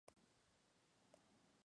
No son obras para colocar en un salon.